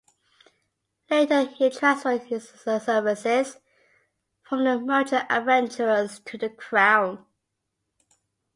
Later he transferred his services from the merchant adventurers to the crown.